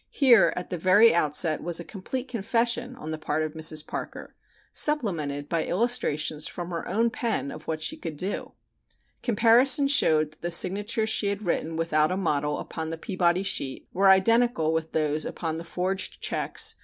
Here at the very outset was a complete confession on the part of Mrs. Parker, supplemented by illustrations from her own pen of what she could do. Comparison showed that the signatures she had written without a model upon the Peabody sheet were identical with those upon the forged checks (Fig.